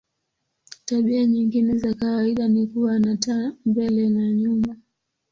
Tabia nyingine za kawaida ni kuwa na taa mbele na nyuma.